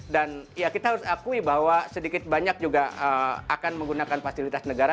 dan ya kita harus akui bahwa sedikit banyak juga akan menggunakan fasilitas negara